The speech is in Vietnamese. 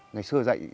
ngày xưa dạy